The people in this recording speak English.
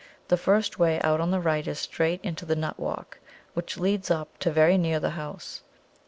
The first way out on the right is straight into the nut walk, which leads up to very near the house.